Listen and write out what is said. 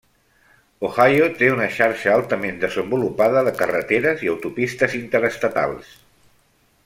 Ohio té una xarxa altament desenvolupada de carreteres i autopistes interestatals.